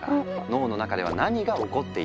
脳の中では何が起こっているのか？